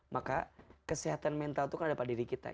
maka kesehatan mental itu kan ada pada diri kita